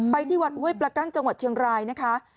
ที่วัดห้วยประกั้งจังหวัดเชียงรายนะคะ